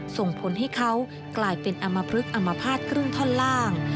ส่งผลให้เขาให้เกล่ายเป็นอำมะพรึกอำมะพาตครึ่งท่อนล่าง